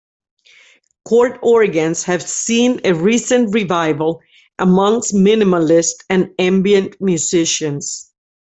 Chord organs have seen a recent revival amongst minimalist and ambient musicians.